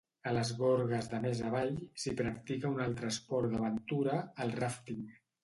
A les gorges de més avall, s'hi practica un altre esport d'aventura, el ràfting.